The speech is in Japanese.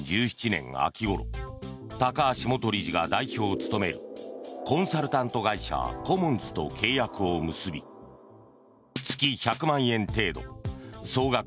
秋ごろ高橋元理事が代表を務めるコンサルタント会社、コモンズと契約を結び月１００万円程度総額